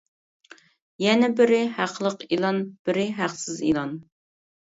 يەنى بىرى ھەقلىق ئېلان بىرى ھەقسىز ئېلان.